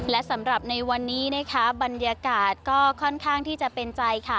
และสำหรับในวันนี้นะคะบรรยากาศก็ค่อนข้างที่จะเป็นใจค่ะ